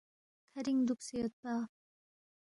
کھرِنگ دُوکسے یودپا